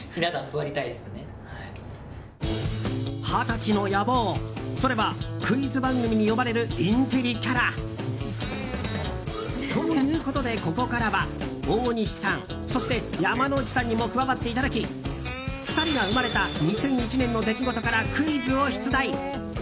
二十歳の野望、それはクイズ番組に呼ばれるインテリキャラ。ということで、ここからは大西さん、そして山之内さんにも加わっていただき２人が生まれた２００１年の出来事からクイズを出題。